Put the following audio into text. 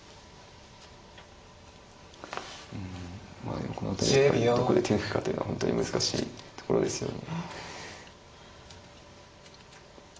うんまあでもこの辺りどこで手抜くかというのは本当に難しいところですよね。